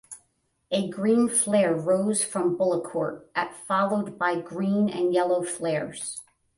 A green flare rose from Bullecourt at followed by green and yellow flares.